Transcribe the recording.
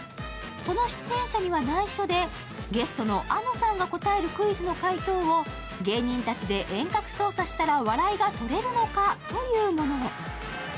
その出演者には内緒で、ゲストのあのさんが答えるクイズの解答を芸人たちで遠隔操作したら笑いがとれるのかというもの。